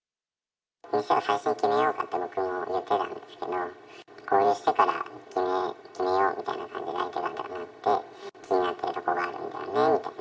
店を最初に決めようかと僕も言ってたんですけど、合流してから決めようみたいな感じで相手がなって、気になっている所があるんだよねみたいな。